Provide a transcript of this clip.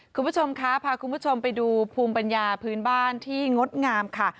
คุณผู้ชมคะพาคุณผู้ชมไปดูภูมิปัญญาพื้นบ้านที่งดงามค่ะ